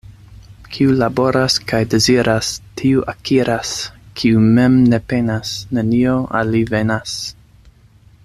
Kiu laboras kaj deziras, tiu akiras — kiu mem ne penas, nenio al li venas.